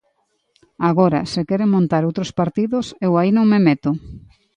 Agora, se queren montar outros partidos eu aí non me meto.